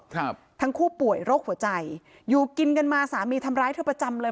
ครับทั้งคู่ป่วยโรคหัวใจอยู่กินกันมาสามีทำร้ายเธอประจำเลย